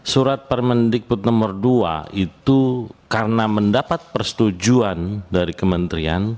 surat permendikbud nomor dua itu karena mendapat persetujuan dari kementerian